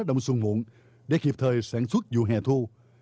đông xuân muộn để kịp thời sản xuất vụ hè thu